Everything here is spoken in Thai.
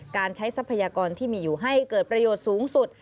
การใช้ทรัพยากรที่มีอยู่ให้เกิดประโยชน์สูงสุด